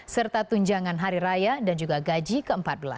serta tunjangan hari raya dan juga gaji ke empat belas